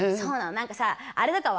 何かさあれとかは？